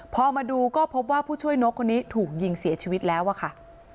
พอมาดูก็พบว่าผู้ช่วยนกคนนี้ถูกยิงเสียชีวิตแล้วอะค่ะ